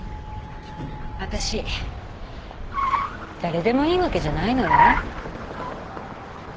私誰でもいいわけじゃないのよ。